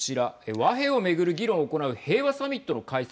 和平を巡る議論を行う平和サミットの開催